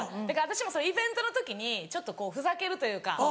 だから私イベントの時にちょっとふざけるというか。